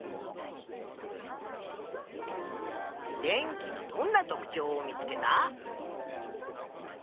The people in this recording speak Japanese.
電気のどんな特ちょうを見つけた？